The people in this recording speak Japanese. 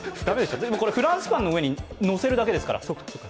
フランスパンの上にのせるだけだから。